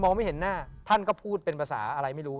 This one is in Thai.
ไม่เห็นหน้าท่านก็พูดเป็นภาษาอะไรไม่รู้